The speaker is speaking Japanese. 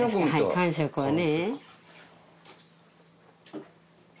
感触はね。